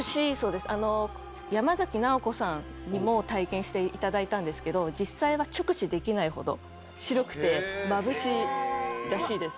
山崎直子さんにも体験していただいたんですけど実際は直視できないほど白くて、まぶしいらしいです。